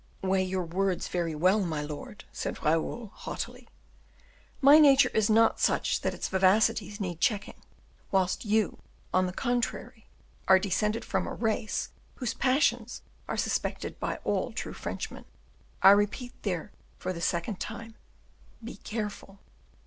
"Weigh your words well, my lord," said Raoul, haughtily; "my nature is not such that its vivacities need checking; whilst you, on the contrary, are descended from a race whose passions are suspected by all true Frenchmen; I repeat, therefore, for the second time, be careful!"